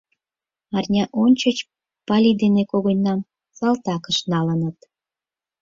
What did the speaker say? Арня ончыч Пали дене когыньнам салтакыш налыныт.